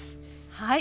はい！